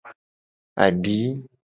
Adi.